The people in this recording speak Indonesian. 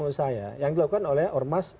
menurut saya yang dilakukan oleh ormas